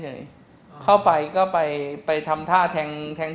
ที่เข้าไปก็เพราะอันนี้เฉยถูกเพิ่มนะ